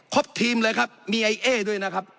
ทีมเลยครับมีไอเอด้วยนะครับ